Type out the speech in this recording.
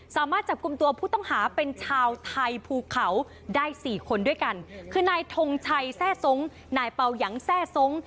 สามารถจับกลุ่มตัวผู้ต้องหาเป็นชาวไทยภูเขาได้สี่คนด้วยกันคือนายทงชัยแทร่ทรงนายเป่ายังแทร่ทรง